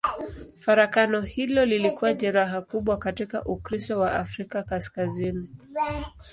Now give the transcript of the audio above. Farakano hilo lilikuwa jeraha kubwa katika Ukristo wa Afrika Kaskazini.